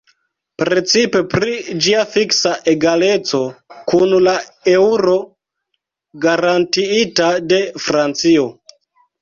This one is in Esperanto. Precipe pri ĝia fiksa egaleco kun la eŭro garantiita de Francio.